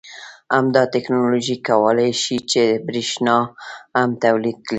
همدا تکنالوژي کولای شي چې بریښنا هم تولید کړي